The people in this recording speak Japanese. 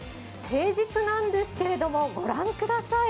平日なんですけれども、ご覧ください。